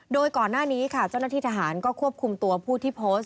โดยก่อนหน้านี้ค่ะเจ้าหน้าที่ทหารก็ควบคุมตัวผู้ที่โพสต์